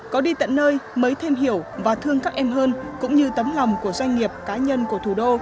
có đi tận nơi mới thêm hiểu và thương các em hơn cũng như tấm lòng của doanh nghiệp cá nhân của thủ đô